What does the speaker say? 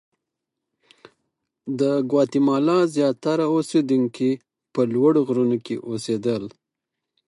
د ګواتیمالا زیاتره اوسېدونکي په لوړو غرونو کې اوسېدل.